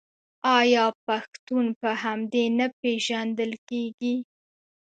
آیا پښتون په همدې نه پیژندل کیږي؟